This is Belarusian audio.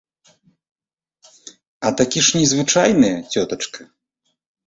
А такі ж незвычайныя, цётачка.